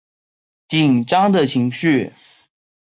紧张的情绪